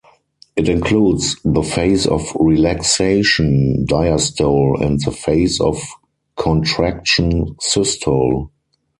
It includes the phase of relaxation diastole and the phase of contraction systole.